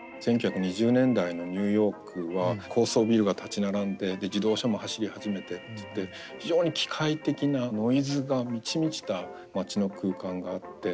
１９２０年代のニューヨークは高層ビルが立ち並んで自動車も走り始めて非常に機械的なノイズが満ち満ちた街の空間があって。